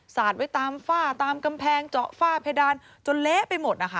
สาดไว้ตามฝ้าตามกำแพงเจาะฝ้าเพดานจนเละไปหมดนะคะ